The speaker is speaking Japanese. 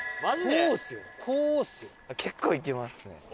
結構いきますね。